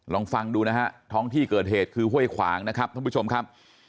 ลองฟังดูนะฮะท้องที่เกิดเหตุคือห้วยขวางนะครับท่านผู้ชมครับ